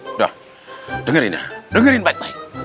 sudah dengerin ya dengerin baik baik